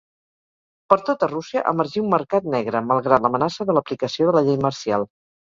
Per tota Rússia emergí un mercat negre, malgrat l'amenaça de l'aplicació de la llei marcial.